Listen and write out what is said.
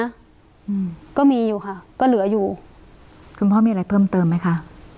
อืมก็มีอยู่ค่ะก็เหลืออยู่คุณพ่อมีอะไรเพิ่มเติมไหมคะ